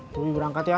tuli berangkat ya